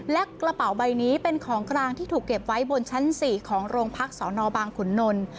และกระเป๋าใบนี้เป็นของกลางที่ถูกเก็บไว้บนชั้น๔ของโรงพักสนบางขุนนล